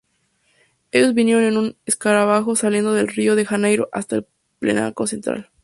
Ellos vinieron en un "escarabajo" saliendo del Rio de Janeiro hasta el Planalto Central.